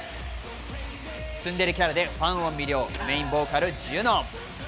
ツンデレキャラでファンを魅了、メインボーカル、ジュノ。